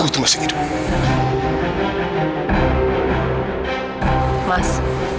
saya terpaksa melakukan hal itu mas